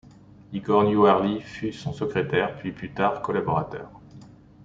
Igor Newerly fut son secrétaire puis plus tard collaborateur.